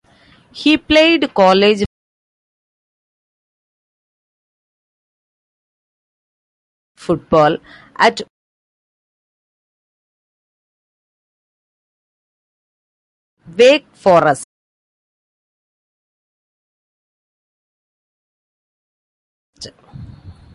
He played college football at Wake Forest.